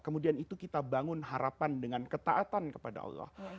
kemudian itu kita bangun harapan dengan ketaatan kepada allah